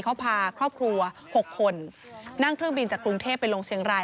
เขาพาครอบครัว๖คนนั่งเครื่องบินจากกรุงเทพไปลงเชียงราย